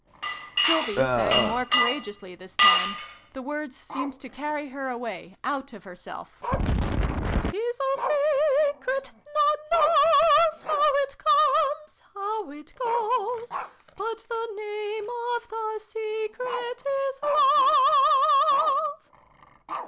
" Sylvie sang more courageously, this time : the words seemed to carry her away, out of herself :"' Tis a secret : none knows how it comes, how it goes : But the name of the secret is Love!"